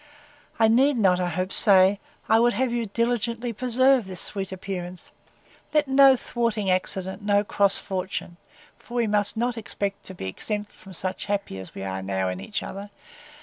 —I need not, I hope, say, that I would have you diligently preserve this sweet appearance: Let no thwarting accident, no cross fortune, (for we must not expect to be exempt from such, happy as we now are in each other!)